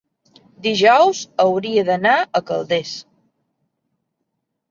dijous hauria d'anar a Calders.